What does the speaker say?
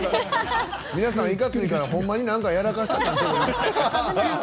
皆さん、いかついからほんまに何かやらかしたみたいな。